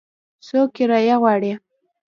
څو کرایه غواړي ؟